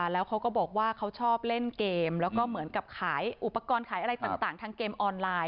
แล้วเขาก็บอกว่าเขาชอบเล่นเกมแล้วก็เหมือนกับขายอุปกรณ์ขายอะไรต่างทางเกมออนไลน